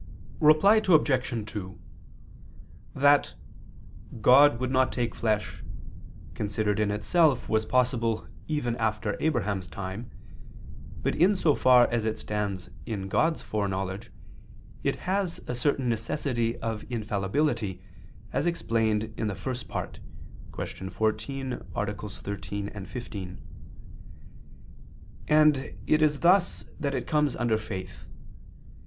Reply Obj. 2: That "God would not take flesh," considered in itself was possible even after Abraham's time, but in so far as it stands in God's foreknowledge, it has a certain necessity of infallibility, as explained in the First Part (Q. 14, AA. 13, 15): and it is thus that it comes under faith.